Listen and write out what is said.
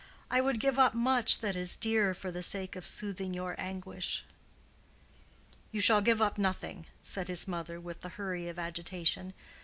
I would give up much that is dear for the sake of soothing your anguish." "You shall give up nothing," said his mother, with the hurry of agitation.